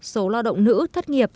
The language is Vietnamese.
số lao động nữ thất nghiệp